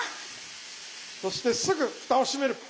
そしてすぐふたを閉める。